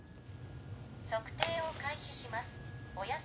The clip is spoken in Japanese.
測定を開始します。